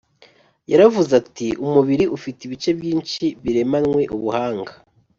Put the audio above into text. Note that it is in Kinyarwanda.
Yaravuze ati umubiri ufite ibice byinshi biremanywe ubuhanga